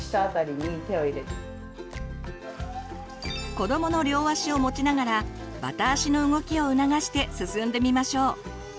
子どもの両足を持ちながらバタ足の動きを促して進んでみましょう。